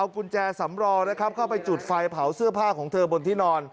เข้าไปจุดไฟเผาเสื้อผ้าของเธอบนที่นอน